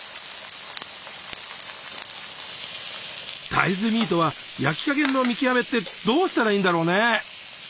大豆ミートは焼き加減の見極めってどうしたらいいんだろうね？